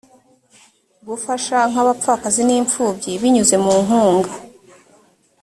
gufasha nk abapfakazi n’impfubyi binyuze mu nkunga